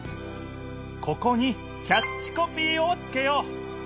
ここにキャッチコピーをつけよう！